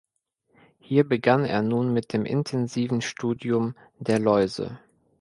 Hier begann er nun mit dem intensiven Studium der Läuse.